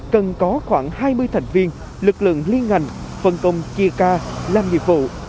hai mươi thành viên lực lượng liên ngành phân công chia ca làm nhiệm vụ